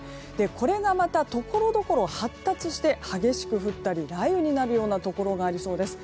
これがまたところどころ発達して激しく降ったり雷雨になるようなところがありそうです。